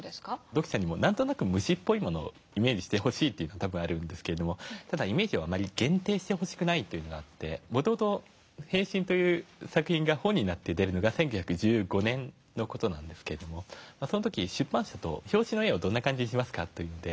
読者にも何となく虫っぽいものをイメージしてほしいというのは多分あるんですけれどもイメージをあまり限定してほしくないというのがあってもともと「変身」という作品が本になって出るのが１９１５年の事なんですけれどもその時出版社と「表紙の絵をどんな感じにしますか」と。